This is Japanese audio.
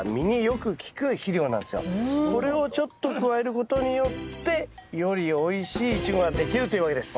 これをちょっと加えることによってよりおいしいイチゴができるというわけです。